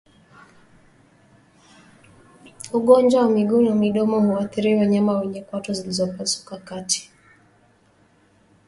Ugonjwa wa miguu na midomo huathiri wanyama wenye kwato zilizopasuka kati